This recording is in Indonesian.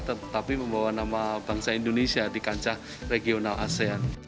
tetapi membawa nama bangsa indonesia di kancah regional asean